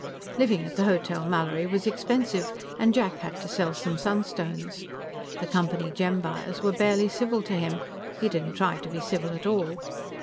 Living at the Hotel Mallory was expensive, and Jack had to sell some sunstones. The Company gem buyers were barely civil to him; he didn't try to be civil at all.